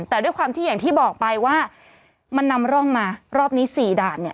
แต่ด้วยความที่อย่างที่บอกไปว่ามันนำร่องมารอบนี้๔ด่านเนี่ย